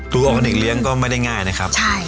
ดูออร์แกนิคเลี้ยงก็ไม่ได้ง่ายนะครับใช่